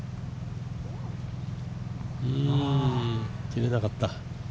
切れなかった。